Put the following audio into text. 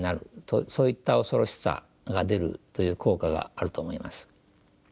そういった恐ろしさが出るという効果があると思います。